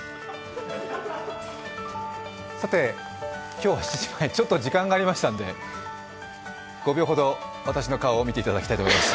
今日は７時前、ちょっと時間がありましたんで５秒ほど私の顔を見ていただきたいと思います。